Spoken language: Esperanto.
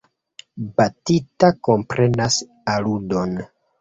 Batita komprenas aludon.